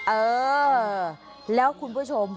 เออแล้วคุณผู้ชม